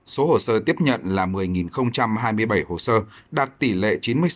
số hồ sơ tiếp nhận là một mươi hai mươi bảy hồ sơ đạt tỷ lệ chín mươi sáu một mươi bốn